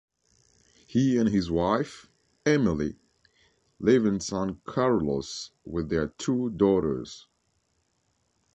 He and his wife, Emily, live in San Carlos with their two daughters.